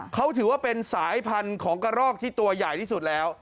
เขาถือว่าเป็นสายพันธุ์ของกระรอกที่ตัวใหญ่ที่สุดแล้ว